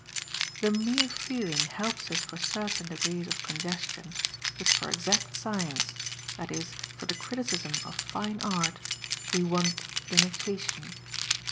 The mere feeling helps us for certain degrees of congestion, but for exact science, that is for the criticism of "fine" art, we want the notation.